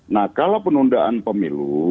nah kalau penundaan pemilu